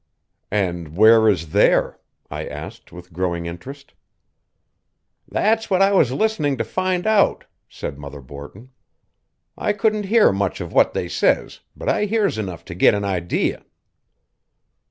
"And where is there?" I asked with growing interest. "That's what I was listening to find out," said Mother Borton. "I couldn't hear much of what they says, but I hears enough to git an idee."